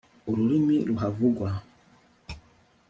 ururimi ruhavugwa